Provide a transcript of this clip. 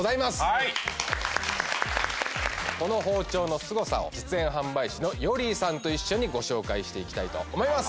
この包丁のすごさを実演販売士のヨリーさんと一緒にご紹介していきたいと思います